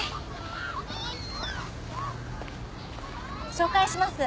紹介します。